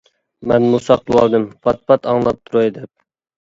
مەنمۇ ساقلىۋالدىم پات-پات ئاڭلاپ تۇراي دەپ.